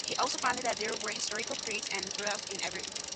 He also found that there were historical "crests" and "troughs" in every field.